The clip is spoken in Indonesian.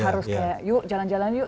harus kayak yuk jalan jalan yuk